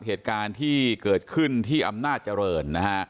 เหตุการณ์ที่เกิดขึ้นที่อำนาจเจริญนะฮะ